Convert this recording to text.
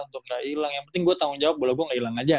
untuk gak hilang yang penting gue tanggung jawab bola gue gak hilang aja